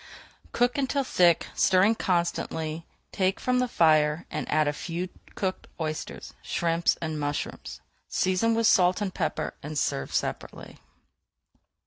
Cook until thick, stirring constantly, take from the fire, and add a few cooked oysters, shrimps, and mushrooms. Season with salt and pepper and serve separately.